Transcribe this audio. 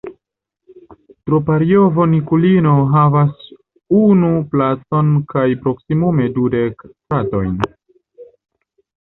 Troparjovo-Nikulino havas unu placon kaj proksimume dudek stratojn.